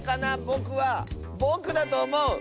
ぼくはぼくだとおもう！